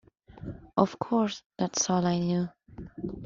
Of course, that's all I knew.